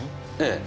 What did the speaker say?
ええ。